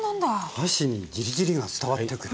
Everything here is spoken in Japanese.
箸にジリジリが伝わってくると。